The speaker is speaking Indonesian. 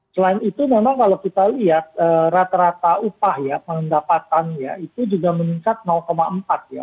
selain itu memang kalau kita lihat rata rata upah ya pendapatan ya itu juga meningkat empat ya